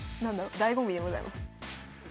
だいご味でございます。